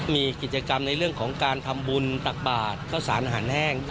มีกิจกรรมในเรื่องของการทำบุญตักบาทเข้าสารอาหารแห้ง